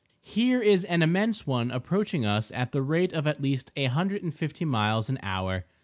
Here is an immense one approaching us at the rate of at least a hundred and fifty miles an hour.